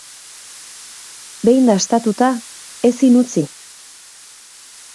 Behin dastatuta, ezin utzi.